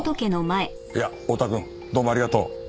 いや太田くんどうもありがとう。